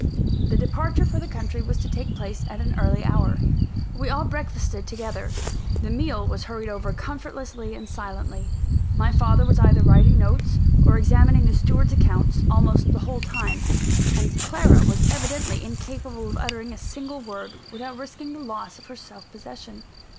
The departure for the country was to take place at an early hour. We all breakfasted together; the meal was hurried over comfortlessly and silently. My father was either writing notes, or examining the steward's accounts, almost the whole time; and Clara was evidently incapable of uttering a single word, without risking the loss of her self possession.